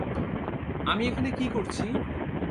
আমি এখানে কি করছি?